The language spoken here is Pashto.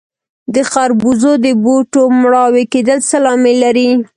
د خربوزو د بوټو مړاوي کیدل څه لامل لري؟